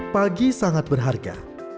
pagi sangat berharga